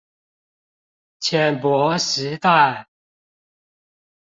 淺薄時代